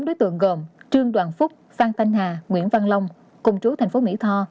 bốn đối tượng gồm trương đoàn phúc phan thanh hà nguyễn văn long cùng chú thành phố mỹ tho